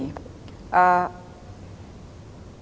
biasanya saya akan cerita dua bagian